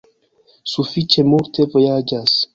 Sufiĉe multe vojaĝas.